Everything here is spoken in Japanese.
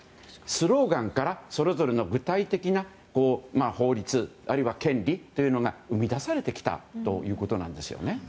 スローガンからそれぞれの具体的な法律あるいは権利というのが生み出されてきたということなんですね。